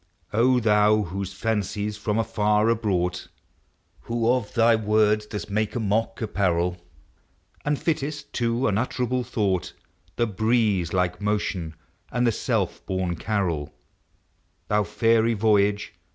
O thou whose fancies from afar are brought; Who of thy words dost make a mock apparel, And fittest to unutterable thought The breeze like motion and the self born carol, Thou fairy voyager!